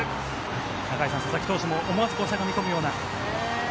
中居さん、佐々木投手も思わずしゃがみ込むような。